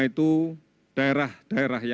ust applause dan jangan bura buru